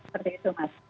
seperti itu mas